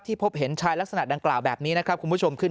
พบเห็นชายลักษณะดังกล่าวแบบนี้นะครับคุณผู้ชมขึ้น